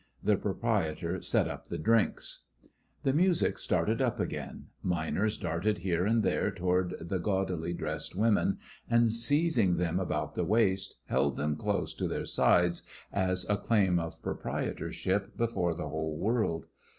The proprietor set up the drinks. The music started up again. Miners darted here and there toward the gaudily dressed women, and, seizing them about the waist, held them close to their sides, as a claim of proprietorship before the whole world.